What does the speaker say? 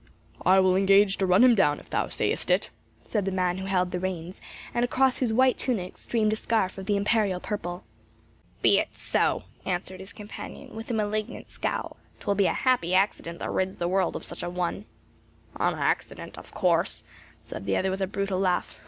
"I will engage to run him down, if thou sayest it," said the man who held the reins, and across whose white tunic streamed a scarf of the imperial purple. "Be it so!" answered his companion with a malignant scowl. "'Twill be a happy accident that rids the world of such an one." "An accident of course," said the other with a brutal laugh.